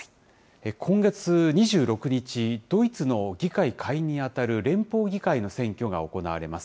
今月２６日、ドイツの議会下院に当たる連邦議会の選挙が行われます。